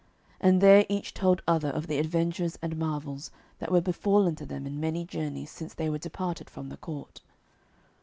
And there each told other of the adventures and marvels that were befallen to them in many journeys since they were departed from the court.